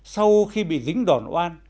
sau khi bị dính đòn oan